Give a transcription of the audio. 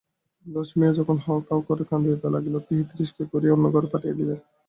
লছমিয়া যখন হাউ-হাউ করিয়া কাঁদিতে লাগিল তাহাকে তিরস্কার করিয়া অন্য ঘরে পাঠাইয়া দিলেন।